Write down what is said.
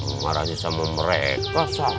pemarahnya sama mereka sah